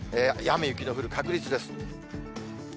雨や雪の降る確率です。